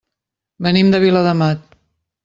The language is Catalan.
Venim de Viladamat.